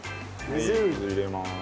水入れます。